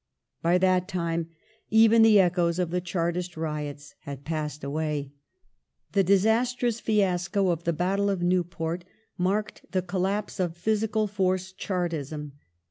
By that time even the echoes of the Chartist riots had passed away. The disastrous fiasco of the " Battle of Newport " marked the collapse of " physical force " Chartism.